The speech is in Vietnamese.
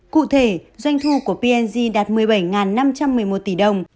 cụ thể doanh thu của p g đạt một mươi bảy năm trăm một mươi một tỷ đồng